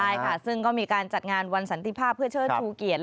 ใช่ค่ะซึ่งก็มีการจัดงานวันสันติภาพเพื่อเชิดชูเกียรติ